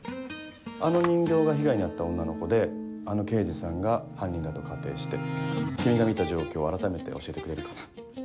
あの人形が被害に遭った女の子であの刑事さんが犯人だと仮定して君が見た状況をあらためて教えてくれるかな。